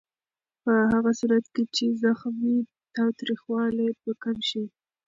په هغه صورت کې چې زغم وي، تاوتریخوالی به کم شي.